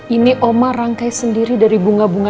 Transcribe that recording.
ini oma rangkai sendiri dari bunga bunga